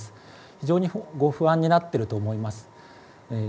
非常に不安になっていると思います。